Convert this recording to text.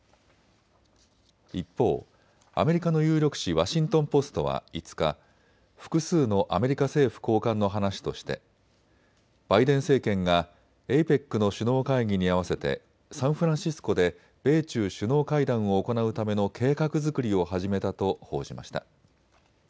一方、アメリカの有力紙、ワシントン・ポストは５日、複数のアメリカ政府高官の話としてバイデン政権がＡＰＥＣの首脳会議に合わせてサンフランシスコで米中首脳会談を行うための計画作りを始めたと報じました。